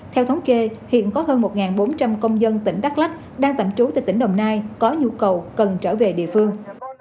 theo thống kê hiện có hơn một bốn trăm linh công dân tỉnh đắk lắc đang tạm trú tại tỉnh đồng nai có nhu cầu cần trở về địa phương